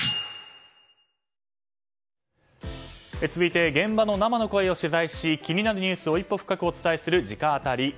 続いて現場の生の声を取材し気になるニュースを一歩深くお伝えする直アタリ。